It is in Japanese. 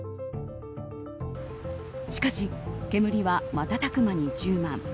しかし、煙は瞬く間に充満。